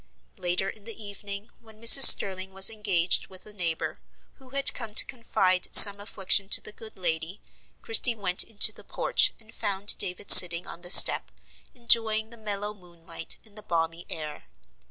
Later in the evening, when Mrs. Sterling was engaged with a neighbor, who had come to confide some affliction to the good lady, Christie went into the porch, and found David sitting on the step, enjoying the mellow moonlight and the balmy air.